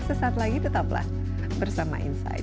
sesaat lagi tetaplah bersama insight